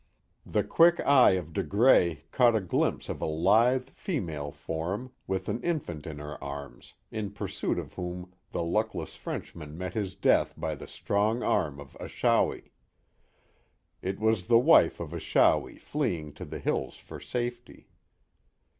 The quick eye of De Grais caught a glimpse of a lithe female form, with an infant in her arms, in pursuit of whom the luckless Frenchman met his death by the strong arm of Achawi. It was the wife of Achawi fleeing to the hills for safety.